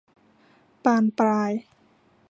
บานปลาย